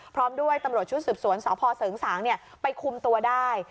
พร้อมด้วยตำรวจชุดสืบสวนสพเสริงสางไปคุมตัวได้